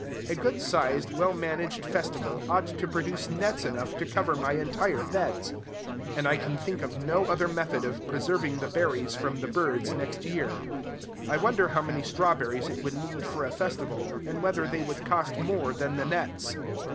A good sized, well managed festival ought to produce nets enough to cover my entire beds; and I can think of no other method of preserving the berries from the birds next year. I wonder how many strawberries it would need for a festival and whether they would cost more than the nets.